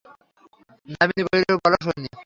দামিনী বলিল, বলো, শুনি।